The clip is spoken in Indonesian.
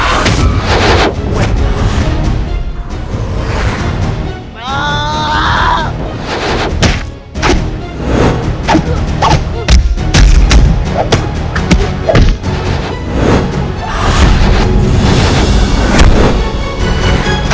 assalamualaikum pak kiai